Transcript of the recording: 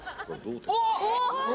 おっ！